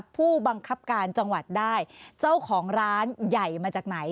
ผู้บังคับการจังหวัดได้เจ้าของร้านใหญ่มาจากไหน